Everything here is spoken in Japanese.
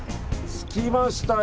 着きましたよ。